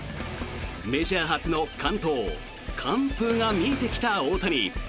メジャー初の完投・完封が見えてきた大谷。